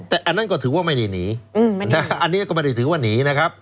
แต่อันนั้นก็ถือว่าไม่ได้หนีอันนี้ก็ไม่ได้ถือว่าหนีนะครับ